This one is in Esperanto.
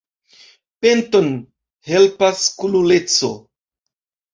Penton helpas kunuleco.